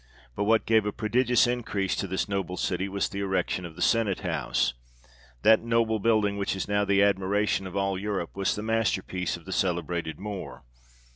But what gave a prodigious increase to this noble city was the erection of the Senate House : that noble building, which is now the admiration of all Europe, was the master piece of the celebrated Moor.